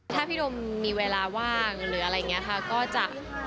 ถ้าพี่โดมมีเวลาว่างหรืออะไรอย่างนี้ค่ะก็จะ